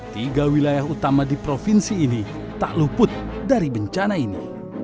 tiga wilayah utama di provinsi ini tak luput dari bencana ini